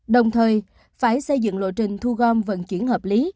đồng thời phải xây dựng lộ trình thu gom vận chuyển hợp lý